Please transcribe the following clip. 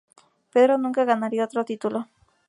Pedro nunca ganaría otro título.